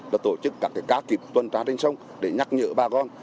là tổ chức các cá kịp tuần trá trên sông để nhắc nhở bà con